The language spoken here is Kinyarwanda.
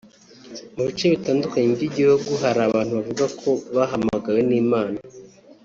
Mu bice bitandukanye by’Igihugu hari abantu bavuga ko bahamagawe n’Imana